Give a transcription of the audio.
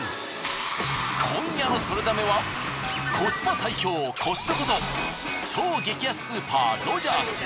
今夜の「ソレダメ！」はコスパ最強コストコと超激安スーパーロヂャース。